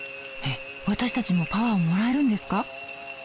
えっ私たちもパワーをもらえるんですか？